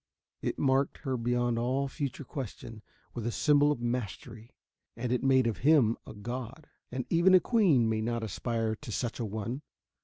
It marked her beyond all future question with a symbol of mastery. And it made of him a god. And even a queen may not aspire to such an one.